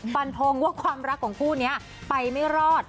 ฟันทงว่าความรักของคู่นี้ไปไม่รอด